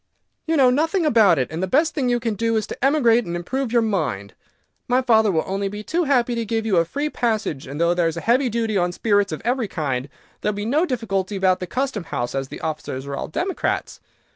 "You know nothing about it, and the best thing you can do is to emigrate and improve your mind. My father will be only too happy to give you a free passage, and though there is a heavy duty on spirits of every kind, there will be no difficulty about the Custom House, as the officers are all Democrats.